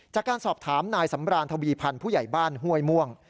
จากการสอบถามนายสำรานทวีพันธ์ผู้ใหญ่บ้านห้วยม่วง